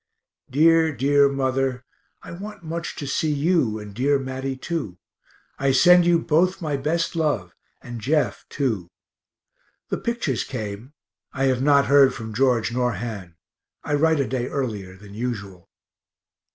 Dear, dear mother, I want much to see you, and dear Matty too; I send you both my best love, and Jeff too. The pictures came I have not heard from George nor Han. I write a day earlier than usual.